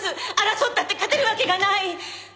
争ったって勝てるわけがない。